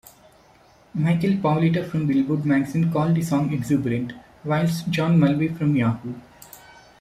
Michael Paoletta from "Billboard" magazine called the song "exuberant", whilst John Mulvey from Yahoo!